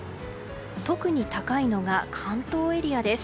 特に高いのが関東エリアです。